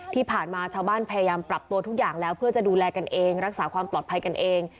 ที่ผ่านมาชาวบ้านพยายามปรับตัวทุกอย่างแล้วเพื่อจะดูแลกันเองรักษาความปลอดภัยกันเอง